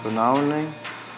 terima kasih neng